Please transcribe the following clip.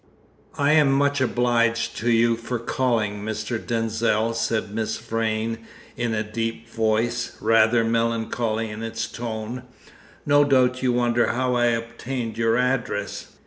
"I am much obliged to you for calling, Mr. Denzil," said Miss Vrain in a deep voice, rather melancholy in its tone. "No doubt you wondered how I obtained your address."